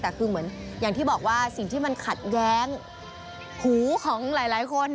แต่คือเหมือนอย่างที่บอกว่าสิ่งที่มันขัดแย้งหูของหลายคน